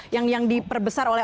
yang diperbesar oleh